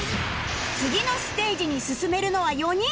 次のステージに進めるのは４人